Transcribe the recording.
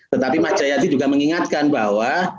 tetapi mas jayadi juga mengingatkan bahwa